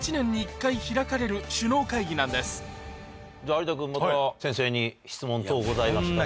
有田君また先生に質問等ございましたら。